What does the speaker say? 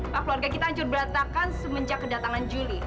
pak keluarga kita hancur beratakan semenjak kedatangan julie